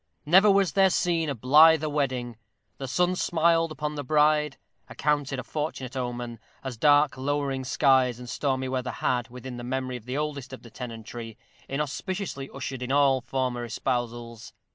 Never was there seen a blither wedding: the sun smiled upon the bride accounted a fortunate omen, as dark lowering skies and stormy weather had, within the memory of the oldest of the tenantry, inauspiciously ushered in all former espousals.